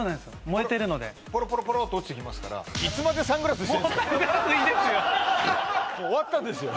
燃えてるのでポロポロポロと落ちてきますからもうサングラスいいですよ